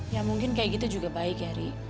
ya mungkin kayak gitu juga baik ya ri